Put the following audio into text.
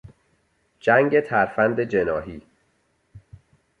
جنگ ترفند جناحی